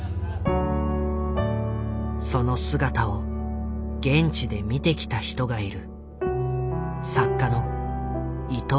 その姿を現地で見てきた人がいる。